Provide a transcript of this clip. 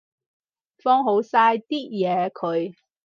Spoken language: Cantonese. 放好晒啲嘢佢